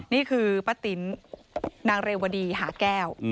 นี่คือป้าติ๋นนางเรวดีหาแก้ว